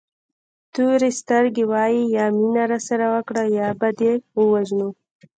تورې سترګې وایي یا مینه راسره وکړه یا به دې ووژنو.